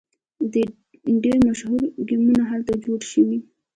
ډیر مشهور ګیمونه هلته جوړ شوي.